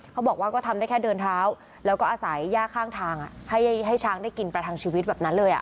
เขาบอกว่าก็ทำได้แค่เดินเท้าแล้วก็อาศัยย่าข้างทางให้ช้างได้กินประทังชีวิตแบบนั้นเลย